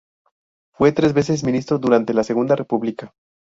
Fue tres veces ministro durante la Segunda República.